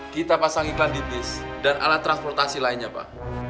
kita pasang iklan di bis dan alat transportasi lainnya pak